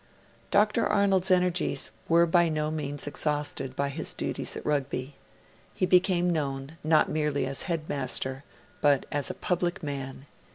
Dr. Arnold's energies were by no means exhausted by his duties at Rugby. He became known not merely as a headmaster, but as a public man.